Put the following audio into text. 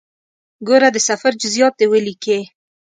ګوره د سفر جزئیات دې ولیکې.